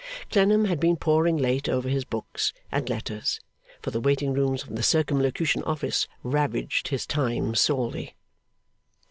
Clennam had been poring late over his books and letters; for the waiting rooms of the Circumlocution Office ravaged his time sorely.